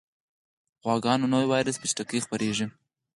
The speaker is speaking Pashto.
غواګانو نوی ویروس په چټکۍ خپرېږي.